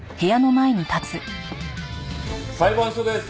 裁判所です。